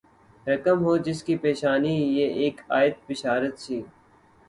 رقم ہو جس کی پیشانی پہ اک آیت بشارت سی